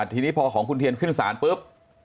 ทีนี้พอของคุณเทียนขึ้นสารรู้สึก